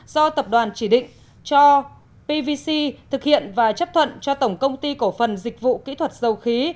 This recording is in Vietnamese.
do tập đoàn chỉ định cho pvc thực hiện và chấp thuận cho tổng công ty cổ phần dịch vụ kỹ thuật dầu khí